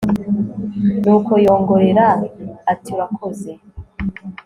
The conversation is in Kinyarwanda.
nuko yongorera ati urakoze